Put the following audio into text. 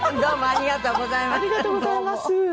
ありがとうございます。